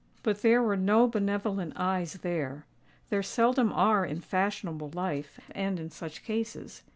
But there were no benevolent eyes there:—there seldom are in fashionable life and in such cases.